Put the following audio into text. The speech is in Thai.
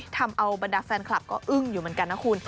ทำเอาบรรดาแฟนคลับก็อึ้งอยู่เหมือนกันนะคุณ